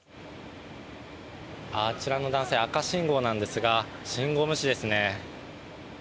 あちらの男性赤信号なんですが信号無視ですね。